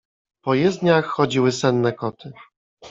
” Po jezdniach chodziły senne koty.